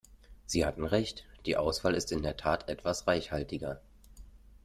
Sie hatten recht, die Auswahl ist in der Tat etwas reichhaltiger.